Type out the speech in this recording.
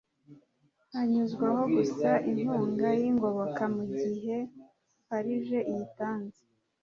hanyuzwaho gusa inkunga y ingoboka mu gihe farg iyitanze